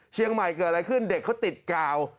เชียงใหม่เกิดอะไรขึ้นเด็กเขาติดกาว